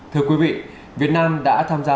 thưa quý vị việt nam đã tham gia